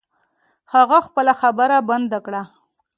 هغه خپله خبره بند کړه.